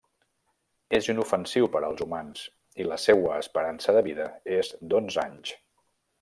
És inofensiu per als humans i la seua esperança de vida és d'onze anys.